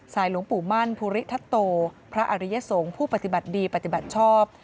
หลวงปู่มั่นภูริทัตโตพระอริยสงฆ์ผู้ปฏิบัติดีปฏิบัติชอบ